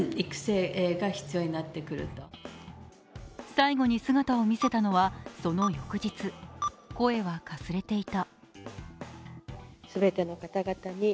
最後に姿を見せたのは、その翌日声はかすれていた。